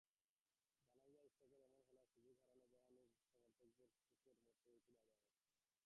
Ghanaian স্ট্রাইকারের এমন হেলায় সুযোগ হারানো আবাহনীর সমর্থকদের চোখের জন্য পীড়াদায়কই।